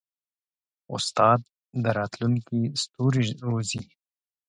استاد د راتلونکي ستوري روزي.